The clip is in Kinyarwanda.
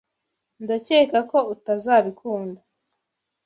Ndakeka ko utazabikunda.